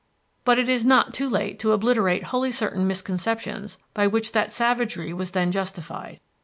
But it is not too late to obliterate wholly certain misconceptions by which that savagery was then justified.